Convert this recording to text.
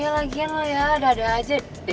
lagian lo ya dada aja